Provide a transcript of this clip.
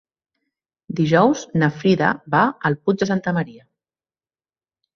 Dijous na Frida va al Puig de Santa Maria.